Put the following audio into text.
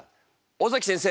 尾崎先生